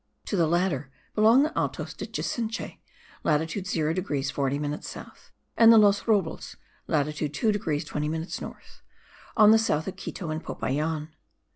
To the latter belong the Altos de Chisinche (latitude 0 degrees 40 minutes south) and the Los Robles (latitude 2 degrees 20 minutes north), on the south of Quito and Popayan.